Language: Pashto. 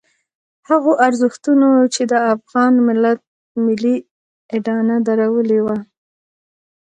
هغو ارزښتونو چې د افغان ملت ملي اډانه درولې وه.